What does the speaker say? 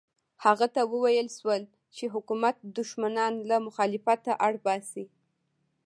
هغه ته وویل شول چې حکومت دښمنان له مخالفته اړ باسي.